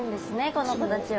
この子たちは。